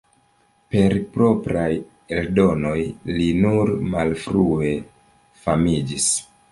Per propraj eldonoj li nur malfrue famiĝis.